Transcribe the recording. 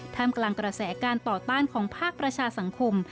กลางกระแสการต่อต้านของภาคประชาสังคม